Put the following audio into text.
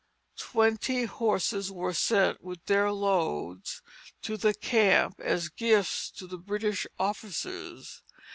Twenty horses were sent with their loads to the camp as gifts to the British officers.